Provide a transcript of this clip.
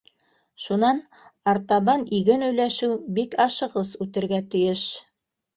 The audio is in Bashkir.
Шунан артабан, иген өләшеү бик ашығыс үтергә тейеш.